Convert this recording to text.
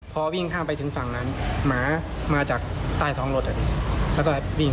ตามตึกเนี่ยเขาต้องถือไม้ไปด้วย